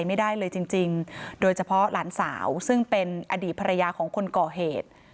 ไม่ได้เลยจริงจริงโดยเฉพาะหลานสาวซึ่งเป็นอดีตภรรยาของคนก่อเหตุ